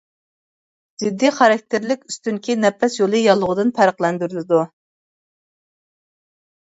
جىددىي خاراكتېرلىك ئۈستۈنكى نەپەس يولى ياللۇغىدىن پەرقلەندۈرۈلىدۇ.